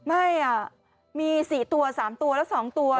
ไม่มี๔ตัว๓ตัวแล้ว๒ตัว